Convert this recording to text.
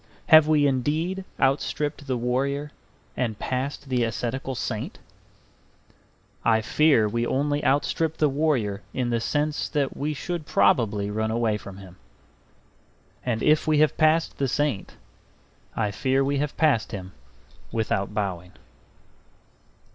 Have we indeed outstripped the warrior and passed the ascetical saint? I fear we only outstrip the warrior in the sense that we should probably run away from him. And if we have passed the saint, I fear we have passed him without bowing.